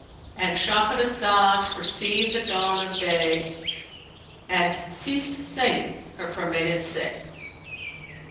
'"—And Shahrazed perceived the dawn of day and ceased saying her permitted say.